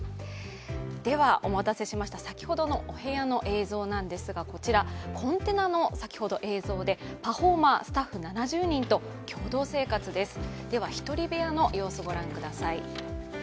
では、お待たせしました、先ほどのお部屋の映像ですが、コンテナの映像でパフォーマー、スタッフ７０人と共同生活ですでは、１人部屋の様子です。